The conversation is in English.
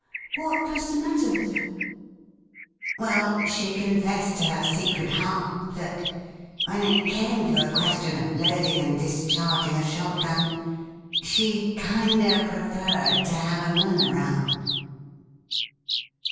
What was the matter with her ?'' Well, she confessed to her secret heart that, when it came to a question of loading and discharging a shot gun, she kinder preferred to have a man around.'